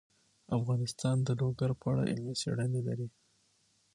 افغانستان د لوگر په اړه علمي څېړنې لري.